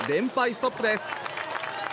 ストップです。